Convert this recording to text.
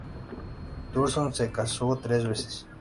Thurston se casó tres veces.